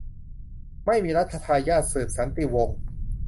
ไม่มีรัชทายาทสืบสันติวงศ์